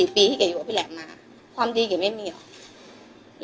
ปีที่เก๋อยู่กับพี่แหลมมาความดีแกไม่มีหรอ